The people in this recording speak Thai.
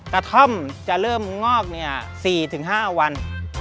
กระท่อมจะเริ่มงอก๔๕วัน